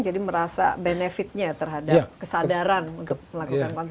jadi merasa benefitnya terhadap kesadaran untuk melakukan konservasi